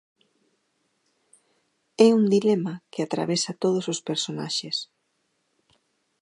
É un dilema que atravesa todos os personaxes.